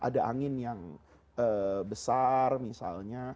ada angin yang besar misalnya